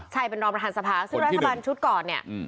ใช่เป็นรองประธานสภาซึ่งรัฐบาลชุดก่อนเนี่ย